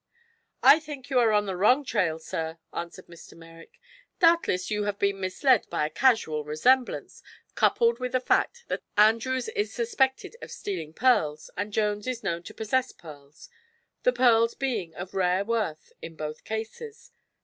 "I think you are on the wrong trail, sir," answered Mr. Merrick. "Doubtless you have been misled by a casual resemblance, coupled with the fact that Andrews is suspected of stealing pearls and Jones is known to possess pearls the pearls being of rare worth in both cases.